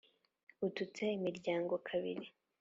ututse imiryango kabiri.